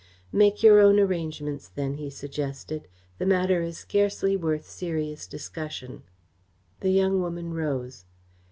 "Make your own arrangements then," he suggested. "The matter is scarcely worth serious discussion." The young woman rose.